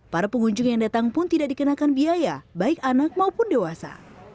para pengunjung yang datang pun tidak dikenakan biaya baik anak maupun dewasa